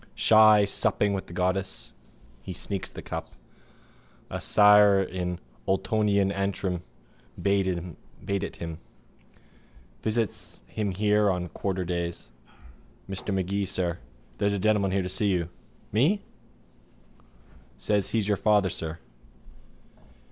Shy, supping with the godless, he sneaks the cup. A sire in Ultonian Antrim bade it him. Visits him here on quarter days. Mr Magee, sir, there's a gentleman to see you. Me? Says he's your father, sir.